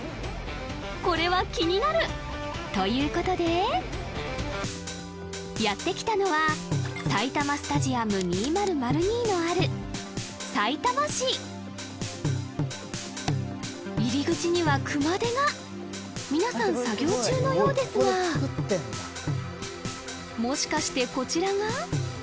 これは気になるということでやって来たのは埼玉スタジアム２００２のあるさいたま市入り口には熊手が皆さん作業中のようですがもしかしてこちらが？